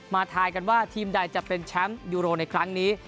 ทายกันว่าทีมใดจะเป็นแชมป์ยูโรในครั้งนี้